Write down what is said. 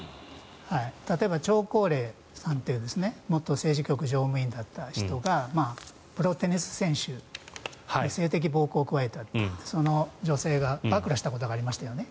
例えばチョウ・コウレイさんという元政治局常務員だったという人がプロテニス選手に性的暴行を加えたとその女性が暴露したことがありましたよね。